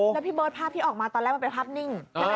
และพี่เบิ้ลภาพที่ออกมาตอนแรกมันเป็นภาพนิ่ง